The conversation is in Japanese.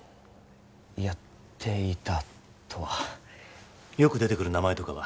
やっていたとはよく出てくる名前とかは？